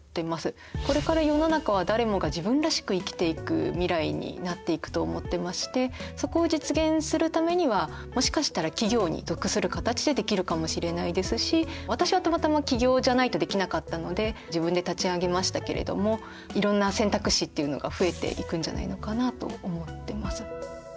これから世の中はそこを実現するためにはもしかしたら企業に属する形でできるかもしれないですし私はたまたま起業じゃないとできなかったので自分で立ち上げましたけれどもいろんな選択肢っていうのが増えていくんじゃないのかなと思ってます。